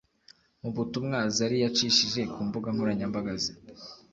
Mu butumwa Zari yacishije ku mbuga nkoranyambaga ze